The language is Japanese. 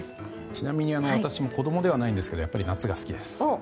ちなみに私も子供ではないんですけどやっぱり夏が好きです。